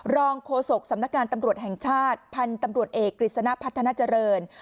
โฆษกสำนักงานตำรวจแห่งชาติพันธุ์ตำรวจเอกกฤษณะพัฒนาเจริญ